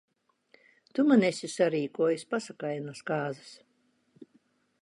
Tu man esi sarīkojis pasakainas kāzas.